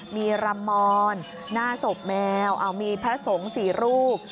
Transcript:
มีรามอนหน้าศพแมวเอ้ามีพระสงฆ์สี่รูป